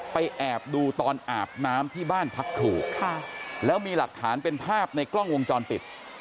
แอบดูตอนอาบน้ำที่บ้านพักครูแล้วมีหลักฐานเป็นภาพในกล้องวงจรปิด